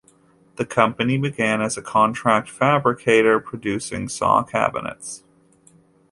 The company began as a contract fabricator, producing saw cabinets.